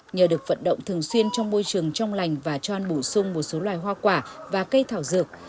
nhờ được vận động thường xuyên trong môi trường trong lành và chon bổ sung một số loài hoa quả và cây thảo dược